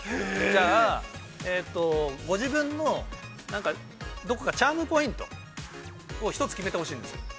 じゃあご自分のチャームポイントを１つ決めてほしいです。